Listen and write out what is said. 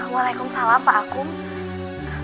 waalaikumsalam pak akung